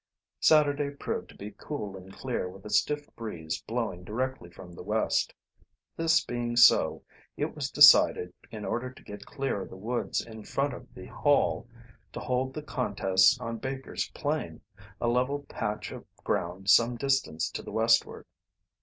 Saturday proved to be cool and clear with a stiff breeze blowing directly from the west. This being so, it was decided, in order to get clear of the woods in front of the Hall, to hold the contests on Baker's Plain, a level patch of ground some distance to the westward.